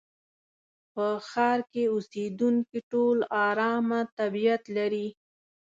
په ښار کې اوسېدونکي ټول ارامه طبيعت لري.